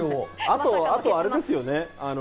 あと、あれですよね。